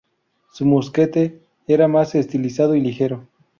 Su mosquete era más estilizado y ligero.